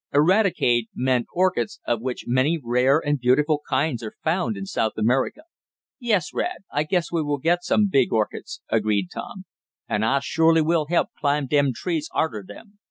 Eradicate meant orchids, of which many rare and beautiful kinds are found in South America. "Yes, Rad, I guess we will get some big orchids," agreed Tom. "An' I shorely will help climb de trees arter 'em.